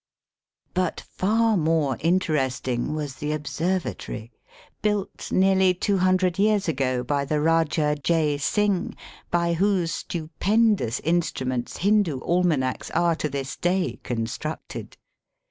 But far more interesting was the observa tory, built nearly two hundred years ago by the Eajah Jay Singh, by whose stupendous instru ments Hindoo almanacks are to this day con structed.